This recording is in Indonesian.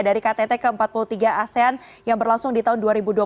dari ktt ke empat puluh tiga asean yang berlangsung di tahun dua ribu dua puluh satu